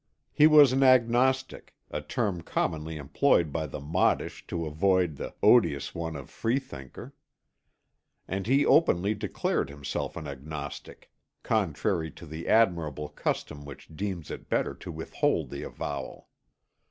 He was an agnostic, a term commonly employed by the modish to avoid the odious one of freethinker. And he openly declared himself an agnostic, contrary to the admirable custom which deems it better to withhold the avowal.